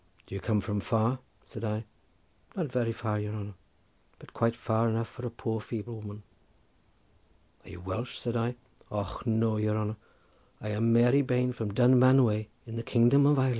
"Do you come from far?" said I. "Not very far, your honour, but quite far enough for a poor feeble woman." "Are you Welsh?" said I. "Och no! your honour; I am Mary Bane from Dunmanway in the kingdom of Ireland."